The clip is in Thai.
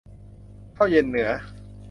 ข้าวเย็นเหนือ